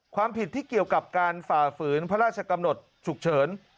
ความผิดที่เกี่ยวกับการฝ่าฝืนพระราชกำหนดฉุกเฉิน